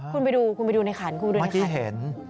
คุณไปดูคุณไปดูในขันคุณด้วยเมื่อกี้เห็น